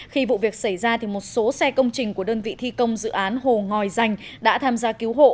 khi vụ việc xảy ra một số xe công trình của đơn vị thi công dự án hồ ngòi danh đã tham gia cứu hộ